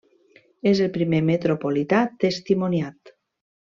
És el primer metropolità testimoniat.